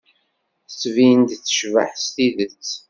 Tettbin-d tecbeḥ s tidet.